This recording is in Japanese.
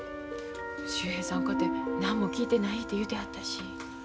秀平さんかて何も聞いてないて言うてはったし。